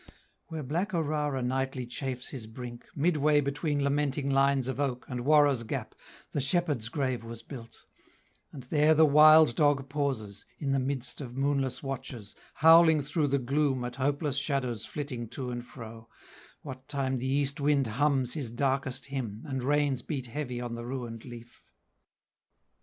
Where black Orara nightly chafes his brink, Midway between lamenting lines of oak And Warra's Gap, the shepherd's grave was built; And there the wild dog pauses, in the midst Of moonless watches, howling through the gloom At hopeless shadows flitting to and fro, What time the east wind hums his darkest hymn, And rains beat heavy on the ruined leaf.